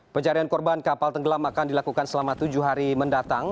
pencarian korban kapal tenggelam akan dilakukan selama tujuh hari mendatang